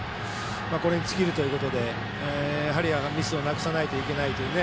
これに尽きるということでやはりミスをなくさないといけないと。